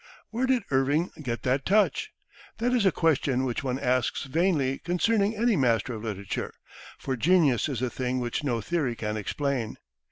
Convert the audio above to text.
Where did Irving get that touch? That is a question which one asks vainly concerning any master of literature, for genius is a thing which no theory can explain.